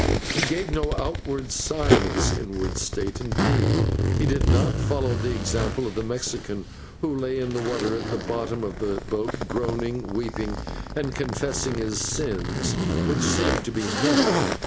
He gave no outward sign of his inward state indeed; he did not follow the example of the Mexican, who lay in the water at the bottom of the boat, groaning, weeping, and confessing his sins, which seemed to be many.